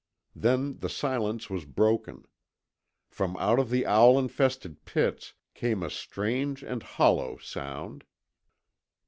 Then the silence was broken. From out of the owl infested pits came a strange and hollow sound.